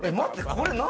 これ何？